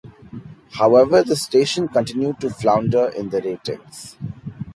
However, the station continued to flounder in the ratings.